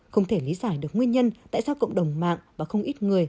không thể lý giải được nguyên nhân tại sao cộng đồng mạng và không ít người